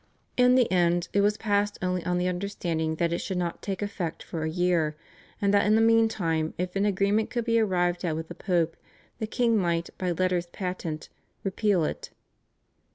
In the end, it was passed only on the understanding that it should not take effect for a year, and that in the meantime if an agreement could be arrived at with the Pope, the king might by letters patent repeal it.